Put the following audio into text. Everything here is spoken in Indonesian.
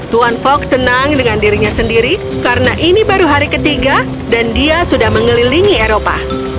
tuan fog senang dengan dirinya sendiri karena ini baru hari ketiga dan dia sudah mengelilingi eropa